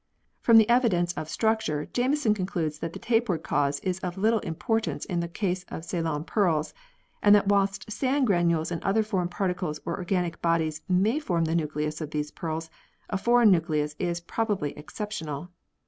From the evidence of structure Jameson concludes that the tapeworm cause is of little importance in the case of Ceylon pearls, and that whilst sand grains and other foreign particles or organic bodies may form the nucleus of these pearls, a foreign nucleus is prob ably exceptional.